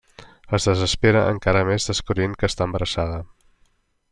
Es desespera encara més descobrint que està embarassada.